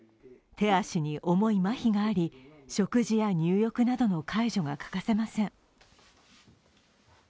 手足に重いまひがあり食事や入浴などの介助が欠かせません。